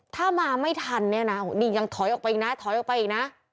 ถ้ามาไม่ทันเนี่ยนะนี่ยังถอยออกไปอีกนะถอยออกไปอีกนะ